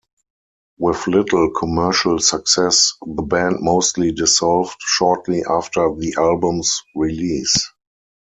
With little commercial success, the band mostly dissolved shortly after the album's release.